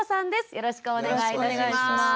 よろしくお願いします。